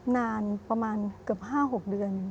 นานประมาณเกือบ๕๖เดือน